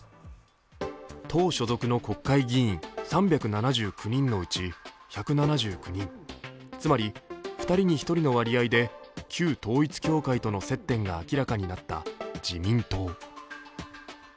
党所属の国会議員３７９人のうち１７９人、つまり２人に１人の割合で旧統一教会との接点が明らかになった自民党。